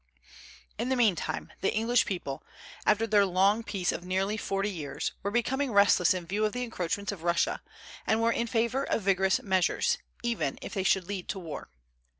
In the meantime the English people, after their long peace of nearly forty years, were becoming restless in view of the encroachments of Russia, and were in favor of vigorous measures, even if they should lead to war.